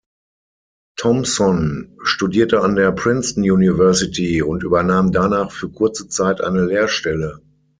Thompson studierte an der Princeton University und übernahm danach für kurze Zeit eine Lehrstelle.